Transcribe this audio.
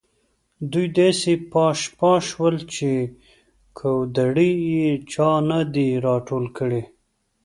دوی داسې پاش پاش شول چې کودړي یې چا نه دي راټول کړي.